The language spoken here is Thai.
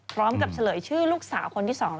พร้อมกับเฉลยชื่อลูกสาวคนที่สอง